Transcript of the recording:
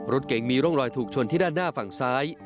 รถเก๋งมีร่องรอยถูกชนที่ด้านหน้าฝั่งซ้าย